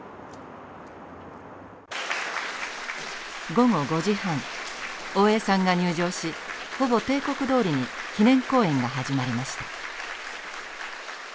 午後５時半大江さんが入場しほぼ定刻どおりに記念講演が始まりました。